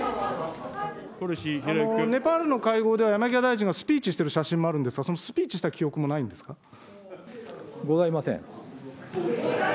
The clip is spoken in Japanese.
ネパールの会合では、山際大臣がスピーチをしている写真もあるんですが、そのスピーチございません。